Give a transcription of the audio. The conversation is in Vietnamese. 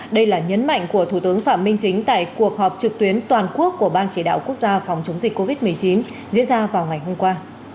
đây là nhấn mạnh của thủ tướng phạm minh chính tại cuộc họp trực tuyến toàn quốc của ban chỉ đạo quốc gia phòng chống dịch covid một mươi chín diễn ra vào ngày hôm qua